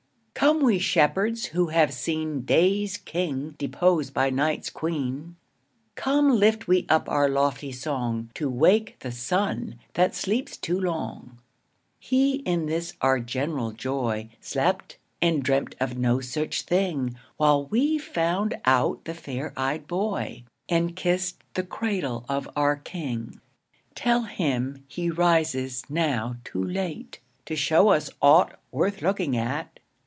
COME we shepherds who have seen Day's king deposed by Night's queen. Come lift we up our lofty song, To wake the Sun that sleeps too long. He in this our general joy, Slept, and dreamt of no such thing While we found out the fair ey'd boy, And kissed the cradle of our king; Tell him he rises now too late, To show us aught worth looking at.